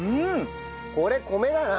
これ米だな。